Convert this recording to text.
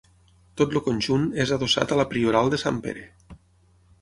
Tot el conjunt és adossat a la Prioral de Sant Pere.